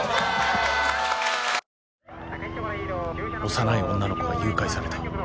［幼い女の子が誘拐された］